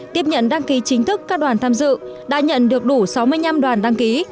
tiếp nhận đăng ký chính thức các đoàn tham dự đã nhận được đủ sáu mươi năm đoàn đăng ký